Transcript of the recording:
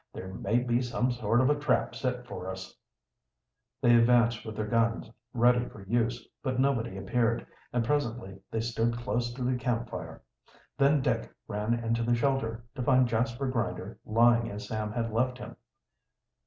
"There may be some sort of a trap set for us." They advanced with their guns ready for use, but nobody appeared, and presently they stood close to the camp fire. Then Dick ran into the shelter, to find Jasper Grinder lying as Sam had left him.